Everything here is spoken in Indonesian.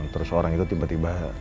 terus orang itu tiba tiba